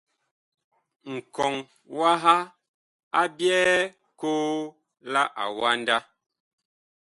Nkɔŋ waha a byɛɛ koo la awanda.